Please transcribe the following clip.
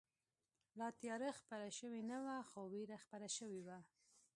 لا تیاره خپره شوې نه وه، خو وېره خپره شوې وه.